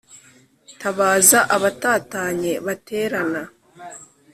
tabaza abatatanye baterane